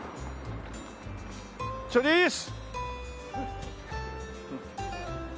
チョリース！